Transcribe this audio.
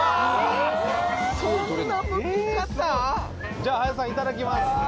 じゃ林さんいただきますああ